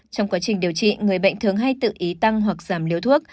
trong quá trình điều trị người bệnh thường hay tự ý tăng hoặc giảm điếu thuốc